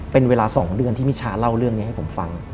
เป็นเวลา๒เดือนที่มิชาเล่าเรื่องนี้ให้ผมฟัง